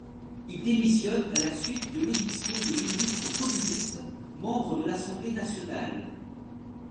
Il démissionne à la suite de l'éviction des ministres communistes membres de l'Assemblée nationale.